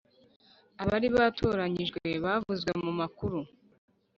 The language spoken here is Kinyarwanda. abari batoranyijwe bavuzwe mu makuru